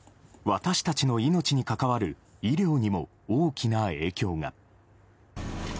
私たちの命に関わる医療にも大きな影響が。